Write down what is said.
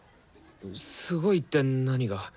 すごいって何が？